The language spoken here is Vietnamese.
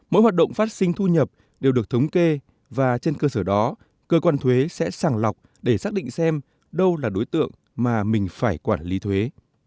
mỗi hoạt động phát sinh thu nhập đều được thống kê và trên cơ sở đó cơ quan thuế sẽ sàng lọc để xác định xem đâu là đối tượng mà mình phải quản lý thuế